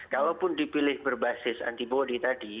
kalaupun dipilih berbasis antibody tadi